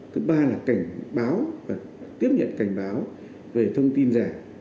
thứ ba là cảnh báo và tiếp nhận cảnh báo về thông tin giả